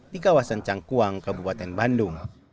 di kawasan cangkuang kabupaten bandung